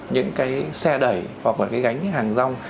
những cái xe đẩy hoặc là cái gánh hàng rong